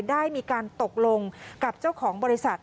ได้มีการตกลงกับเจ้าของบริษัท